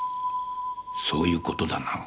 そういう事だな？